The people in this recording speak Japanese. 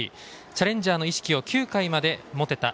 チャレンジャーの意識を９回まで持てた。